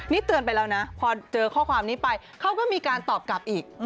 นี่เตือนไปแล้วนะพอเจอข้อความนี้ไปเขาก็มีการตอบกลับอีก